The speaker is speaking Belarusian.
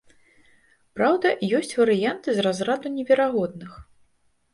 Праўда, ёсць варыянты з разраду неверагодных.